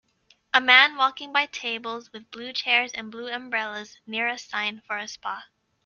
A man walking by tables with blue chairs and blue umbrellas near a sign for a spa.